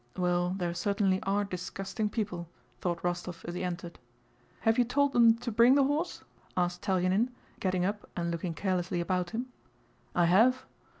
"Well there certainly are disgusting people," thought Rostóv as he entered. "Have you told them to bring the horse?" asked Telyánin, getting up and looking carelessly about him. "I have."